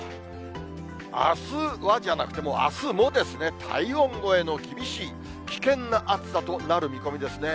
あすはじゃなくて、もうあすもですね、体温超えの、厳しい危険な暑さとなる見込みですね。